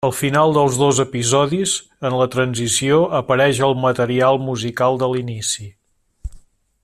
Al final dels dos episodis, en la transició, apareix al material musical de l'inici.